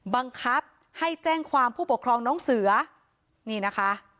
บังคับให้แจ้งความผู้ปกครองน้องเสือนี่นะคะ